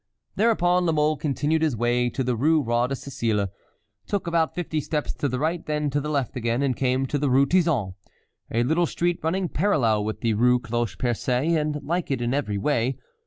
Thereupon La Mole continued his way to the Rue Roi de Sicile, took about fifty steps to the right, then to the left again, and came to the Rue Tizon, a little street running parallel with the Rue Cloche Percée, and like it in every way.